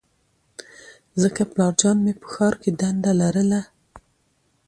ځکه پلارجان مې په ښار کې دنده لرله